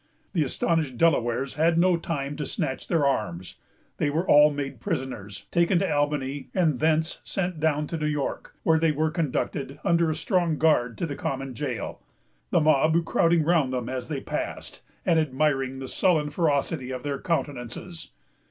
The astonished Delawares had no time to snatch their arms. They were all made prisoners, taken to Albany, and thence sent down to New York, where they were conducted, under a strong guard, to the common jail; the mob crowding round them as they passed, and admiring the sullen ferocity of their countenances.